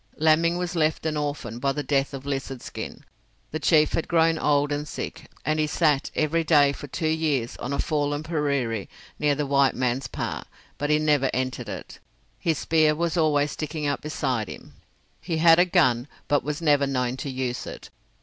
Laming was left an orphan by the death of Lizard Skin. The chief had grown old and sick, and he sat every day for two years on a fallen puriri near the white man's pah, but he never entered it. His spear was always sticking up beside him. He had a gun, but was never known to use it.